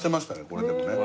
これでもね。